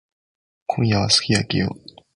今夜はすき焼きよ。